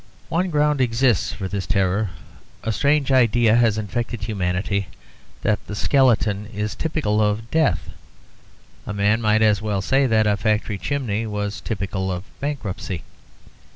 One ground exists for this terror: a strange idea has infected humanity that the skeleton is typical of death. A man might as well say that a factory chimney was typical of bankruptcy.